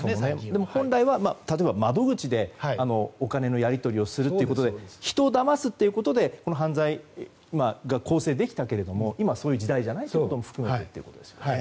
でも本来は、例えば窓口でお金のやり取りをするということで人をだますということでこの犯罪が構成できたけれど今はそういう時代じゃないということも含めてと。